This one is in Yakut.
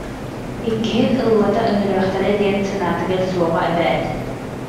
Иккиһин ыллата ыҥырыахтара диэн санаатыгар суоҕа эбээт